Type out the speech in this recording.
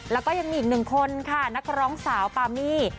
แล้วก็ยังมีอีกหนึ่งคนค่ะนักร้องสาวปามี่